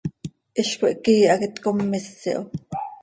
Hiz cöiihca íi hac itcommís iho.